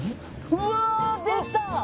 うわ！出た！